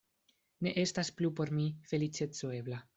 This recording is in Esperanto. Ne estas plu por mi feliĉeco ebla.